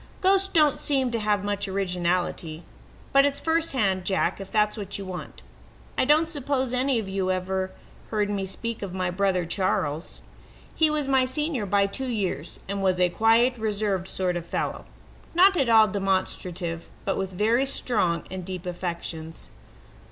"Ghosts don't seem to have much originality. But it's firsthand, Jack, if that's what you want. I don't suppose any of you have ever heard me speak of my brother, Charles. He was my senior by two years, and was a quiet, reserved sort of fellow not at all demonstrative, but with very strong and deep affections.